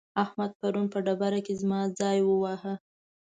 احمد پرون په ډبره کې زما ځای وواهه.